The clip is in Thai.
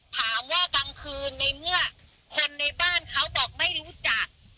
บางคืนในเมื่อคนในบ้านเขาบอกไม่รู้จัก